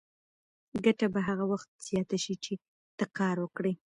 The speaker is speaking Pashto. ګټه به هغه وخت زیاته شي چې ته کار وکړې.